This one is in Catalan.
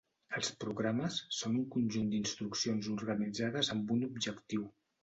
Els programes són un conjunt d'instruccions organitzades amb un objectiu.